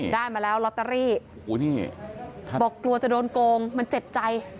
ได้มาแล้วลอตเตอรี่บอกกลัวจะโดนโกงมันเจ็บใจ